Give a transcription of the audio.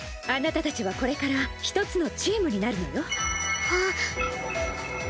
あなたたちはこれから一つのチームになるのよ。